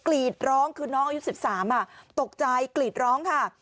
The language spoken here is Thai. กลีดร้องคือน้องอายุสิบสามอ่ะตกใจกลีดร้องค่ะ